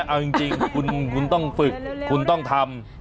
เอาจริงคุณต้องฝึกคุณต้องทำ